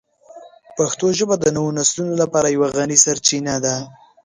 پښتو ژبه د نوو نسلونو لپاره یوه غني سرچینه ده.